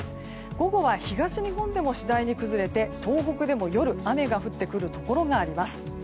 午後は東日本でも次第に崩れて東北でも雨が夜降ってくるところがあります。